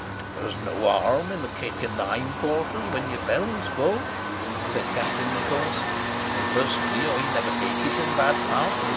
"There's no harm in a kick in the hindquarters when your belly's full," said Captain Nichols, "and personally I never take it in bad part.